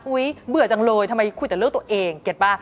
เบื่อจังเลยทำไมคุยแต่เรื่องตัวเองเก็ตป่ะ